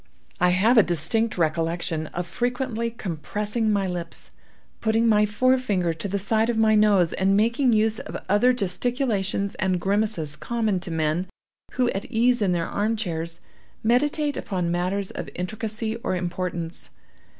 I have a distinct recollection of frequently compressing my lips, putting my forefinger to the side of my nose, and making use of other gesticulations and grimaces common to men who, at ease in their arm chairs, meditate upon matters of intricacy or importance.